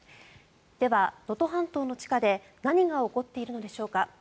では、能登半島の地下で何が起こっているのでしょうか。